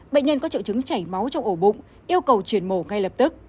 bệnh nhân có triệu chứng chảy máu trong ổ bụng yêu cầu chuyển mổ ngay lập tức